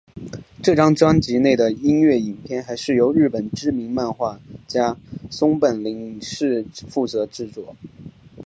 这张专辑内的音乐影片还是由日本知名漫画家松本零士负责制作。